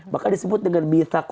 maka disebut dengan